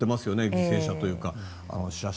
犠牲者というか死者数。